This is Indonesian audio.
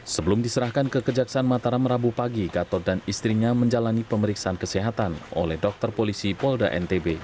sebelum diserahkan ke kejaksaan mataram rabu pagi gatot dan istrinya menjalani pemeriksaan kesehatan oleh dokter polisi polda ntb